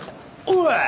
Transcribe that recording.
おい！